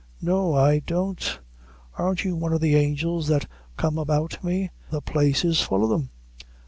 "No, I don't; arn't you one o' the angels that come about me? the place is full o' them."